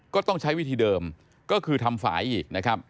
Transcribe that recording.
ก็ต้องใช้วิธีเดิมก็คือทำฝ่ายอีกนะครับ